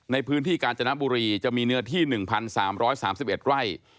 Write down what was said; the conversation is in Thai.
ในพื้นที่กาญจนบุรีจะมีเนื้อที่๑๓๓๑ไร่